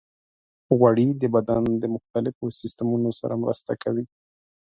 غوړې د بدن د مختلفو سیستمونو سره مرسته کوي.